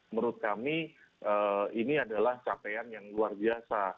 menurut kami ini adalah capaian yang luar biasa